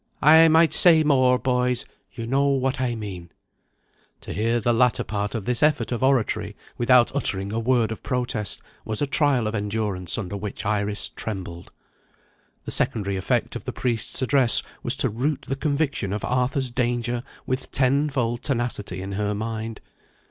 I might say more, boys you know what I mean." To hear the latter part of this effort of oratory, without uttering a word of protest, was a trial of endurance under which Iris trembled. The secondary effect of the priest's address was to root the conviction of Arthur's danger with tenfold tenacity in her mind.